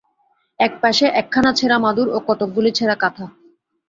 একপাশে একখানা ছেঁড়া মাদুর ও কতকগুলি ছেঁড়া কাঁথা।